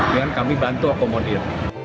dengan kami bantu akomodir